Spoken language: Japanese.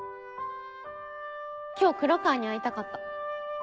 今日黒川に会いたかった